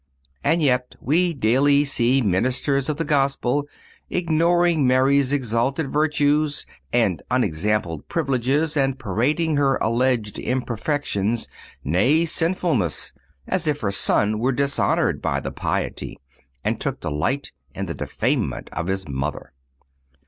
And yet we daily see ministers of the Gospel ignoring Mary's exalted virtues and unexampled privileges and parading her alleged imperfections; nay, sinfulness, as if her Son were dishonored by the piety, and took delight in the defamation of His Mother.